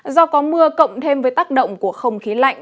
do có mưa cộng thêm với tác động của không khí lạnh